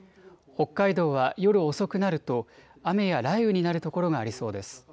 北海道は夜遅くなると雨や雷雨になる所がありそうです。